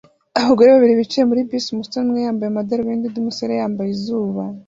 Abagabo babiri bicaye muri bisi umusore umwe yambaye amadarubindi undi musore yambaye izuba